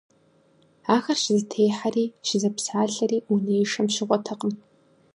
Ахэр щызэтехьэри щызэпсалъэри унэишэм щыгъуэтэкъым.